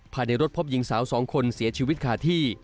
ผ่านในรถพบยิงสาวสองคนเสียชีวิตขาที่